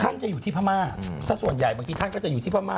ท่านจะอยู่ที่พม่าสักส่วนใหญ่บางทีท่านก็จะอยู่ที่พม่า